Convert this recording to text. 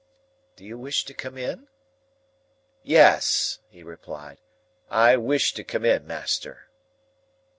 "Do you wish to come in?" "Yes," he replied; "I wish to come in, master."